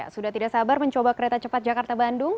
sudah tidak sabar mencoba kereta cepat jakarta bandung